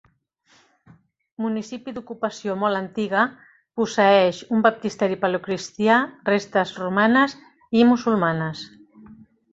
Municipi d'ocupació molt antiga, posseeix un baptisteri paleocristià, restes romanes i musulmanes.